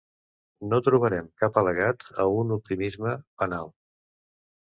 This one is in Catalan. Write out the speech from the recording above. No trobarem cap al·legat a un optimisme banal.